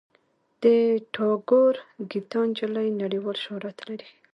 د ټاګور ګیتا نجلي نړیوال شهرت لري.